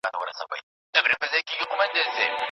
رسول الله پر خپلو ميرمنو سختي ونکړه.